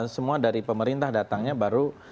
semua dari pemerintah datangnya baru